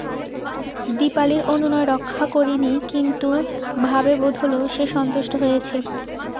দীপালির অনুনয় রক্ষা করি নি কিন্তু ভাবে বোধ হল, সে সন্তুষ্ট হয়েছে।